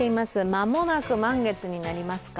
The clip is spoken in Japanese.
間もなく満月になりますか？